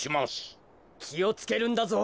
きをつけるんだぞ。